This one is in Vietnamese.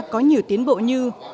có nhiều tiến bộ như